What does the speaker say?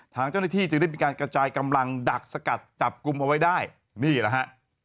ทางเจ้าหน้าที่จึงได้มีการกระจายกำลังดักสกัดจับกลุ่มเอาไว้ได้นี่แหละฮะ